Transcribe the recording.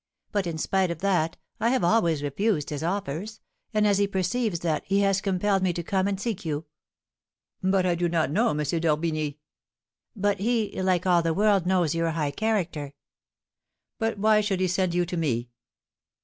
But, in spite of that, I have always refused his offers; and, as he perceives that, he has compelled me to come and seek you." "But I do not know M. d'Orbigny." "But he, like all the world, knows your high character." "But why should he send you to me?"